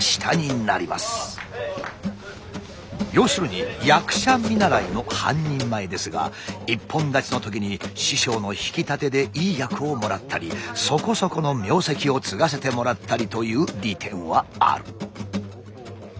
要するに役者見習いの半人前ですが一本立ちの時に師匠の引き立てでいい役をもらったりそこそこの名跡を継がせてもらったりという利点はある。